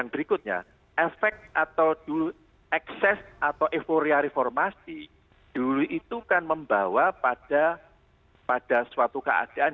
berikutnya efek atau ekses atau euforia reformasi dulu itu kan membawa pada suatu keadaan